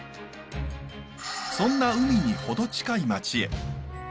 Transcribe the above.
そんな海に程近い街へ。